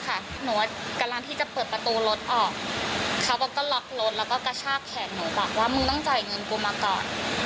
หนูกำลังที่จะเปิดประตูรถออกเขาบอกก็ล็อกรถแล้วก็กระชากแขนหนูบอกว่ามึงต้องจ่ายเงินกูมาก่อน